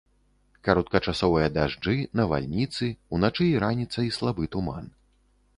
Кароткачасовыя дажджы, навальніцы, уначы і раніцай слабы туман.